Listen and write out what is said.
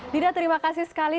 lina terima kasih sekali